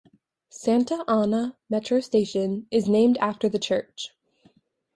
Santa Ana metro station is named after the church.